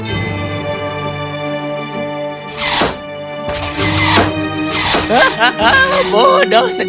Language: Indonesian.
kau akan menang